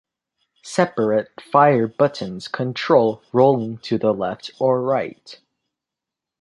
Separate fire buttons control rolling to the left or right.